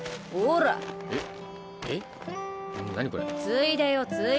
ついでよついで。